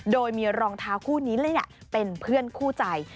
โดยมีรองเท้าคู่นี้เลยแหละเป็นเพื่อนคู่ใจ